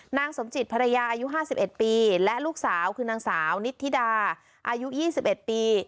นางสมจิตภรรยาอายุห้าสิบเอ็ดปีและลูกสาวคือนางสาวนิทธิดาอายุยี่สิบเอ็ดปี